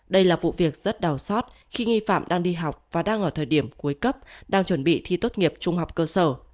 đây là vụ việc rất đau xót khi nghi phạm đang đi học và đang ở thời điểm cuối cấp đang chuẩn bị thi tốt nghiệp trung học cơ sở